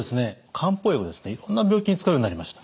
漢方薬ですねいろんな病気に使うようになりました。